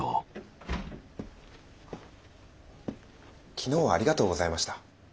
昨日はありがとうございました。